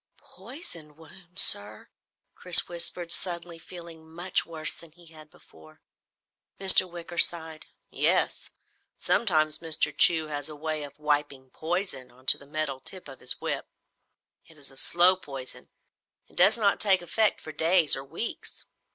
"Poisoned wound, sir?" Chris whispered, suddenly feeling much worse than he had before. Mr. Wicker sighed. "Yes. Sometimes Mr. Chew has a way of wiping poison onto the metal tip of his whip. It is a slow poison it does not take effect for days or weeks.